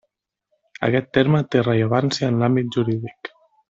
Aquest terme té rellevància en l'àmbit jurídic.